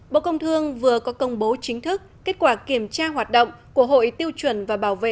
bộ công thương vừa có công bố chính thức kết quả kiểm tra hoạt động của hội tiêu chuẩn và bảo vệ